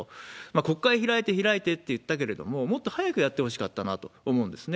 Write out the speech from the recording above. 国会開いて開いてって言ったけれども、もっと早くやってほしかったなと思うんですね。